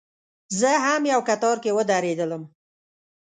زه هم یو کتار کې ودرېدلم.